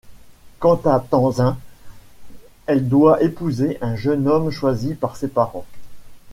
Quant à Tenzin, elle doit épouser un jeune homme choisi par ses parents.